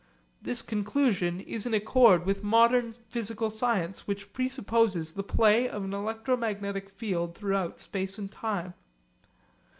This conclusion is in accord with modern physical science which presupposes the play of an electromagnetic field throughout space and time.